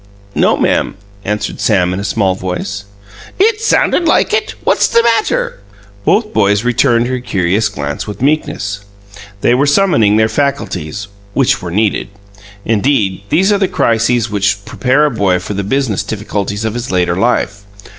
"No, ma'am," answered Sam in a small voice. "It sounded like it. What was the matter?" Both boys returned her curious glance with meekness. They were summoning their faculties which were needed. Indeed, these are the crises which prepare a boy for the business difficulties of his later life.